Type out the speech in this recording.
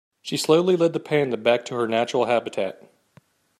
She slowly led the panda back to her natural habitat.